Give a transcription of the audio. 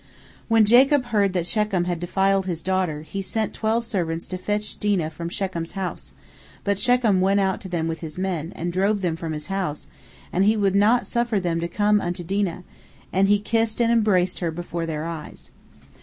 " When Jacob heard that Shechem had defiled his daughter, he sent twelve servants to fetch Dinah from Shechem's house, but Shechem went out to them with his men, and drove them from his house, and he would not suffer them to come unto Dinah, and he kissed and embraced her before their eyes.